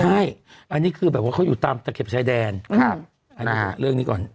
ใช่อันนี้คือแบบว่าเขาอยู่ตามตะเข็บชายแดนเรื่องนี้ก่อน